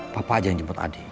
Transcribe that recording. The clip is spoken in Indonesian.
papa aja yang jemput adik